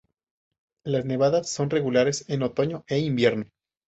Las nevadas son regulares en otoño e invierno.